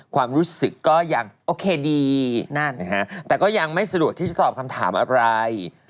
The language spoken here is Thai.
ความรู้สึกก็ยังโอเคดีนั่นนะฮะแต่ก็ยังไม่สะดวกที่จะตอบคำถามอะไร